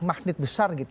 mahdi besar gitu